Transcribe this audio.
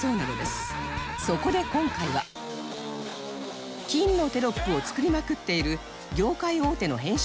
そこで今回は金のテロップを作りまくっている業界大手の編集